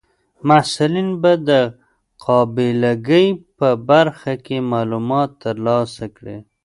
محصلین به د قابله ګۍ په برخه کې معلومات ترلاسه کړي.